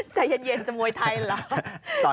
ใจเย็นจะมวยไทยหรือเปล่า